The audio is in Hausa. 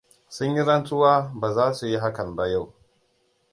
Sun yi rantsuwa ba za su yi hakan ba yau.